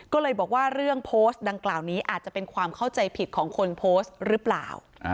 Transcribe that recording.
ก็เลยบอกว่าเรื่องโพสต์ดังกล่าวนี้อาจจะเป็นความเข้าใจผิดของคนโพสต์หรือเปล่า